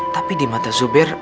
tapi di mata juper